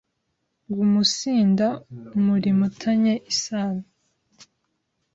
guumunsinda umurimo” tanye isano